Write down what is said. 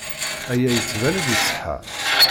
Aya yettban-d iṣeḥḥa.